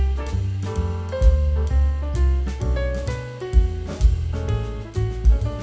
gadgeteers serah lagi kan